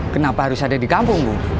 kenapa harus ada di kampung bu